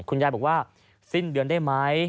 คุณยายบอกว่าสิ้นเดือนได้ไหม